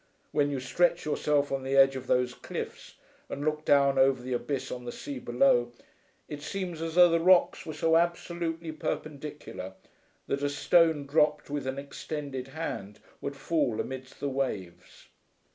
When you stretch yourself on the edge of those cliffs and look down over the abyss on the sea below it seems as though the rocks were so absolutely perpendicular, that a stone dropped with an extended hand would fall amidst the waves.